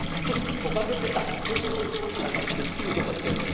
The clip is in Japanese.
トカゲってさススススーッてはしってすぐどっかいっちゃうよね。